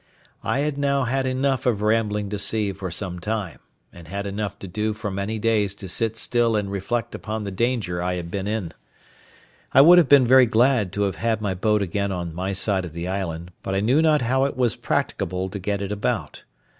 I had now had enough of rambling to sea for some time, and had enough to do for many days to sit still and reflect upon the danger I had been in. I would have been very glad to have had my boat again on my side of the island; but I knew not how it was practicable to get it about.